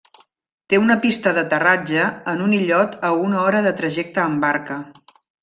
Té una pista d'aterratge en un illot a una hora de trajecte amb barca.